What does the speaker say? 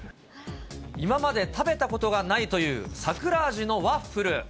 今まで食べたことがないという桜味のワッフル。